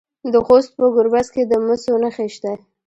د خوست په ګربز کې د مسو نښې شته.